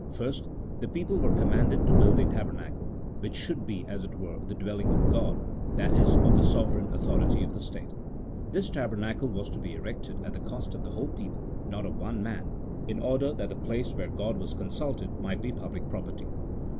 First, the people were commanded to build a tabernacle, which should be, as it were, the dwelling of God — that is, of the sovereign authority of the state. This tabernacle was to be erected at the cost of the whole people, not of one man, in order that the place where God was consulted might be public property.